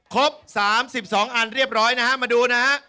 ครบ๓๒อันเรียบร้อยนะฮะมาดูนะฮะ